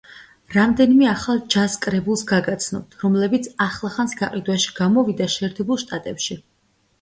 რამდენიმე ახალ ჯაზ კრებულს გაგაცნობთ, რომლებიც ახლახანს გაყიდვაში გამოვიდა შეერთებულ შტატებში.